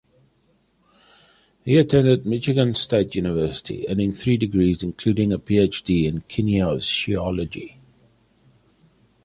He attended Michigan State University, earning three degrees, including a Ph.D. in kinesiology.